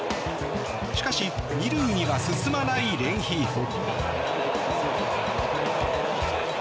しかし、２塁には進まないレンヒーフォ。